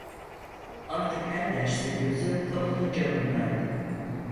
Artık her derste gözü kapının camındaydı.